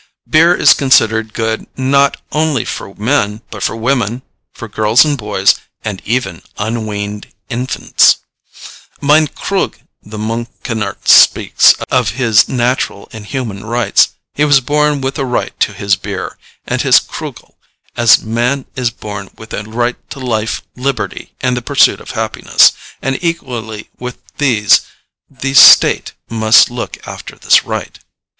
Beer is considered good not only for men, but for women, for girls and boys, and even unweaned infants. "Mein Krügl" the Münchener speaks of as of his natural and human rights. He was born with a right to his beer, and his Krügl, as "man is born with a right to life, liberty, and the pursuit of happiness," and equally with these the State must look after this right.